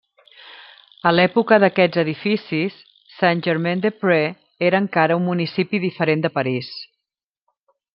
A l'època d'aquests edificis, Saint-Germain-des-Prés era encara un municipi diferent de París.